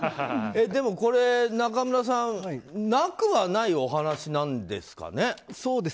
でもこれ、中村さんなくはないお話なんですかね？